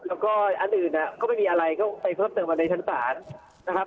แล้วก็อันอื่นก็ไม่มีอะไรก็ขึ้นมาในชั้นสานนะครับ